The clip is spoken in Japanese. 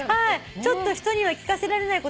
「ちょっと人には聞かせられないことばかり」